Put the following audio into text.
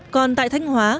còn tại thanh hóa